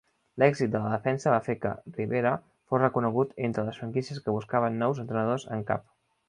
L'èxit de la defensa va fer que Rivera fos reconegut entre les franquícies que buscaven nous entrenadors en cap.